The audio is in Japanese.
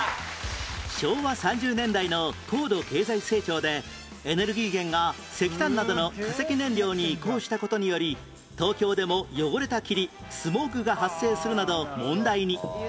昭和３０年代の高度経済成長でエネルギー源が石炭などの化石燃料に移行した事により東京でも汚れた霧スモッグが発生するなど問題に